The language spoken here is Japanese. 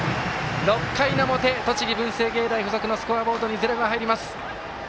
６回の表、栃木、文星芸大付属のスコアボードにゼロが入ります。